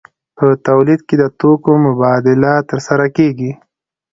په تولید کې د توکو مبادله ترسره کیږي.